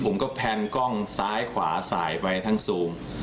ผมก็แพนกล้องซ้ายขวาสายไปทั้งซูม